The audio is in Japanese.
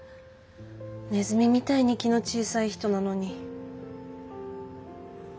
ネズミみたいに気の小さい人なのに。